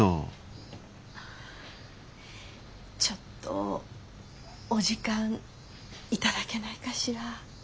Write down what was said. ちょっとお時間頂けないかしら。